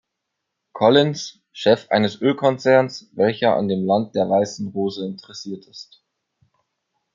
Collins, Chef eines Öl-Konzerns, welcher an dem Land der weißen Rose interessiert ist.